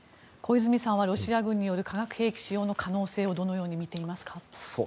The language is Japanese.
小泉さんはロシア軍による化学兵器使用の可能性をどのように見ていますか？